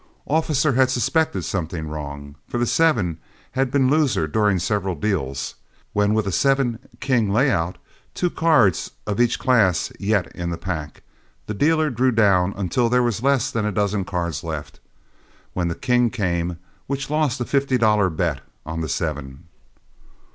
Officer had suspected something wrong, for the seven had been loser during several deals, when with a seven king layout, and two cards of each class yet in the pack, the dealer drew down until there were less than a dozen cards left, when the king came, which lost a fifty dollar bet on the seven.